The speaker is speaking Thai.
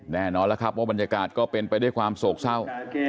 แน่นอนแล้วครับว่าบรรยากาศก็เป็นไปด้วยความโศกเศร้า